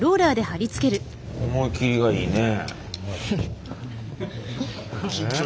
思い切りがいいね。